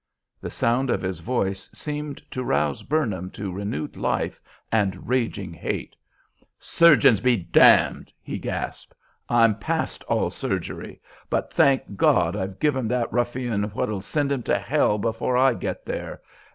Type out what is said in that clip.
The sound of his voice seemed to rouse "Burnham" to renewed life and raging hate. "Surgeons be damned!" he gasped. "I'm past all surgery; but thank God I've given that ruffian what'll send him to hell before I get there!